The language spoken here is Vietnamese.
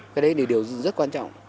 cái đấy là điều rất quan trọng